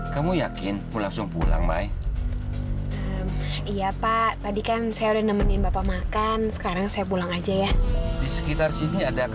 sampai jumpa di video selanjutnya